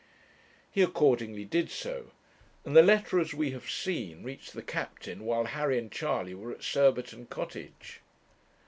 He accordingly did so, and the letter, as we have seen, reached the captain while Harry and Charley were at Surbiton Cottage.